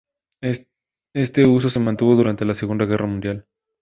Este uso se mantuvo durante la Segunda Guerra Mundial.